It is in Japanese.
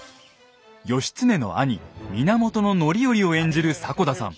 義経の兄源範頼を演じる迫田さん。